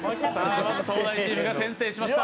まず東大チームが先制しました。